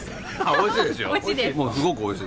おいしいですよ。